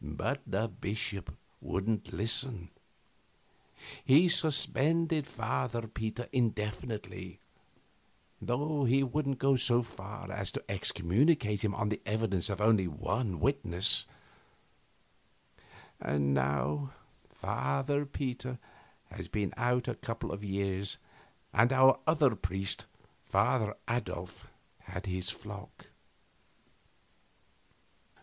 But the bishop wouldn't listen. He suspended Father Peter indefinitely, though he wouldn't go so far as to excommunicate him on the evidence of only one witness; and now Father Peter had been out a couple of years, and our other priest, Father Adolf, had his flock.